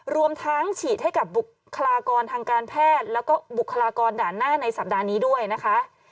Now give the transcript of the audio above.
รวมทั้งฉีดให้กับบุคลากรทางการแพทย์แล้วก็บุคลากรด่านหน้าในสัปดาห์นี้ด้วยนะคะ